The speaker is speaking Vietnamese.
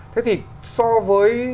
thế thì so với